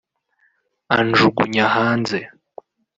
anjugunya hanze